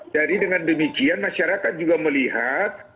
jadi dengan demikian masyarakat juga melihat